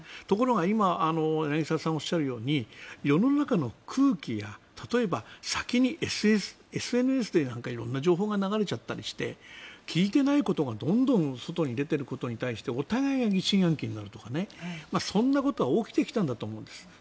ところが今柳澤さんがおっしゃるように世の中の空気や例えば先にＳＮＳなんかで色んな情報が流れちゃったりして聞いてないことがどんどん外に出ていることに対してお互いが疑心暗鬼になるとかそんなことが起きてきたと思うんです。